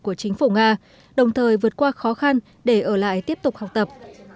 của chính phủ nga đồng thời vượt qua khó khăn để ở lại tiếp tục học tập